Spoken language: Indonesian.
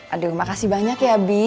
aduh makasih banyak ya bi